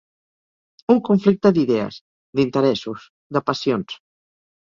Un conflicte d'idees, d'interessos, de passions.